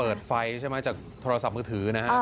เปิดไฟใช่ไหมจากโทรศัพท์มือถือนะฮะ